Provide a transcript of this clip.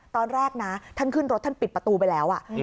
ตอนแรกนะท่านขึ้นรถท่านปิดประตูไปแล้ว